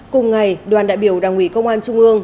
cùng ngày đoàn đại biểu đảng ủy công an trung ương